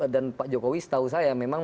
dan pak jokowi setahu saya memang